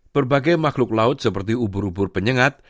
berbagai makhluk laut seperti ubur ubur penyengat